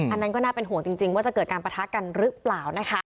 อันนั้นก็น่าเป็นห่วงจริงว่าจะเกิดการปะทะกันหรือเปล่านะคะ